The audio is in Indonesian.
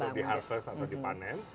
atau di harvest atau dipanen